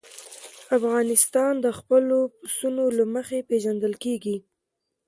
افغانستان د خپلو پسونو له مخې پېژندل کېږي.